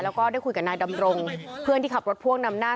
แล้วก็ได้คุยกับนายวิรพันธ์สามีของผู้ตายที่ว่าโดนกระสุนเฉียวริมฝีปากไปนะคะ